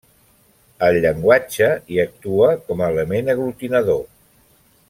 El llenguatge hi actua com a element aglutinador.